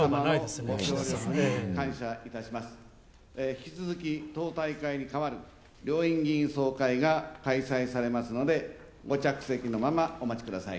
引き続き党大会に代わる両院議員総会が開催されますのでご着席のまま、お待ちください。